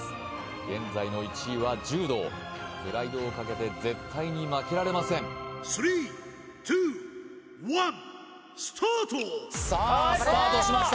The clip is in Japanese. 現在の１位は柔道プライドをかけて絶対に負けられませんさあスタートしました